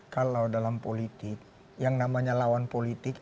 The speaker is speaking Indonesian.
kalau dalam politik yang namanya lawan politik